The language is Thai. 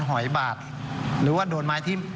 หอยบาดหรือว่าโดนไม้ทิ้ม